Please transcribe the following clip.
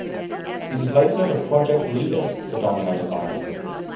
He was later the project leader for Domino Designer.